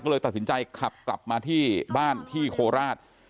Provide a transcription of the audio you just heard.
ก็เลยตัดสินใจขับกลับมาที่บ้านที่โคราช